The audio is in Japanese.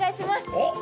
おっ。